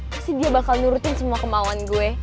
pasti dia bakal nurutin semua kemauan gue